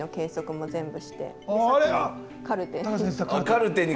カルテに。